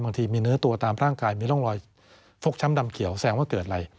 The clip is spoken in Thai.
บางทีมีเนื้อตัวตามร่างกายมีร่องรอยฟกช้ำดำเขียวแสดงว่าเกิดอะไร